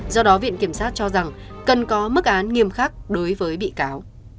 do đó viện kiểm sát cho rằng cần có mức án nghiêm khắc đối với bị cáo